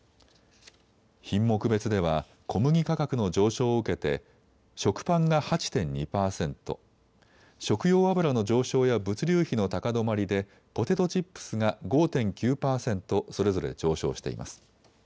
品目別では小麦価格の上昇を受けて食パンが８．２％、食用油の上昇や物流費の高止まりでポテトチップスが５．９％それぞれ上昇しています。